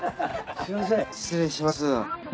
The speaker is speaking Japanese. すみません失礼します。